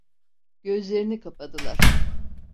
Gözlerini kapadılar…